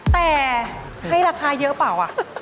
แต่ให้ราคาเยอะเปล่า